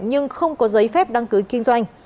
nhưng không có giấy phép đăng cứ kinh doanh